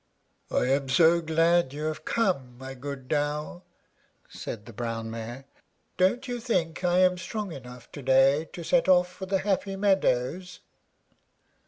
"I'm so glad you are come, my good Dow," said the brown mare. "Don't you think I am strong enough to day to set off for the happy meadows?"